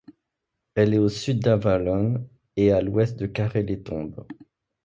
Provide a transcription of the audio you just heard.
Elle est à au sud d'Avallon et à à l'ouest de Quarré-les-Tombes.